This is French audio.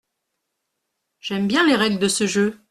J’aime bien les règles de ce jeu.